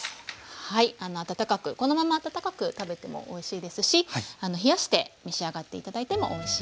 はい温かくこのまま温かく食べてもおいしいですし冷やして召し上がって頂いてもおいしいです。